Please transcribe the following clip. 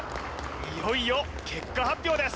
いよいよ結果発表です